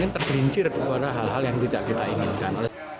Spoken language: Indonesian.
tergelincir kepada hal hal yang tidak kita inginkan